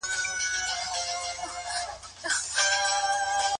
په ښوونځیو کي باید د زده کوونکو ترمنځ هیڅ توپیر ونه سي.